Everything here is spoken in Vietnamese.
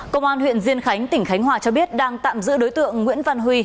công an huyện diên khánh tỉnh khánh hòa cho biết đang tạm giữ đối tượng nguyễn văn huy